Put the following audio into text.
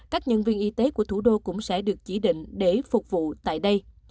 các nhân viên y tế của thủ đô cũng sẽ được chỉ định để phục vụ tại đây